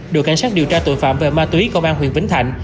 đội cảnh sát điều tra tội phạm về ma túy công an huyện vĩnh thạnh